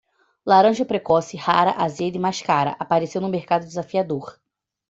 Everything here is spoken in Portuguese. Laranja precoce, rara, azeda e mais cara, apareceu no mercado desafiador.